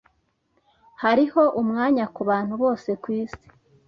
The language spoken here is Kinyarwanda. Hariho umwanya kubantu bose kwisi.